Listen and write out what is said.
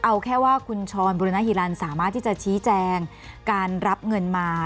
เอาแค่ว่าคุณชรบุรณฮิลันสามารถที่จะชี้แจงการรับเงินมา